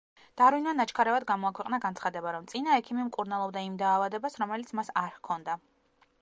დარვინმა ნაჩქარევად გამოაქვეყნა განცხადება, რომ წინა ექიმი მკურნალობდა იმ დაავადებას, რომელიც მას არ ჰქონდა.